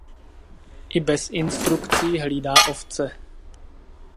I bez instrukcí hlídá ovce.